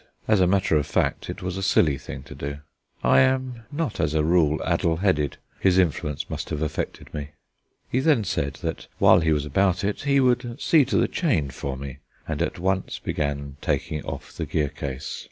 As a matter of fact, it was a silly thing to do. I am not as a rule addle headed; his influence must have affected me. He then said that while he was about it he would see to the chain for me, and at once began taking off the gear case.